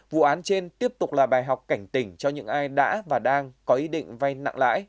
vụ án trên tiếp tục là bài học cảnh tỉnh cho những ai đã và đang có ý định vay nặng lãi